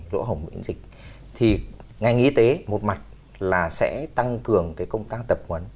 lỗ hồng bệnh dịch thì ngành y tế một mặt là sẽ tăng cường cái công tác tập quấn